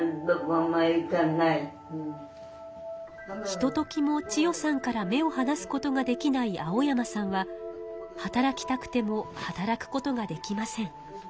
ひとときも千代さんから目をはなすことができない青山さんは働きたくても働くことができません。